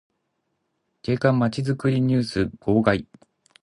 景観まちづくりニュース号外